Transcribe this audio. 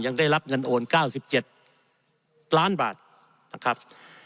ยังได้รับเงินโอน๙๗ล้านบาทนะครับ